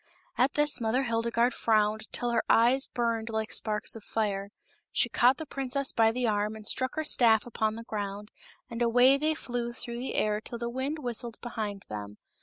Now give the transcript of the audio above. At this Mother Hildegarde frowned till her eyes burned like sparks of fire. She caught the princess by the arm and struck her staff upon the ground, and away they flew through the air till the wind whistled behind them.